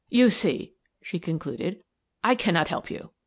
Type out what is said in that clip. " You see," she concluded, " I cannot help you.